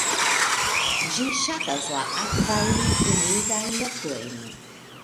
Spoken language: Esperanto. Ĝi ŝatas la akvajn, humidajn lokojn.